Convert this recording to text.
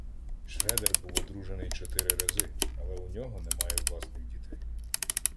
Шредер був одружений чотири рази, але у нього немає власних дітей.